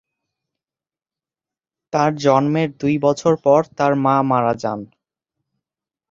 তার জন্মের দুই বছর পর তার মা মারা যান।